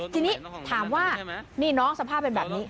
ทีนี้ถามว่านี่น้องสภาพเป็นแบบนี้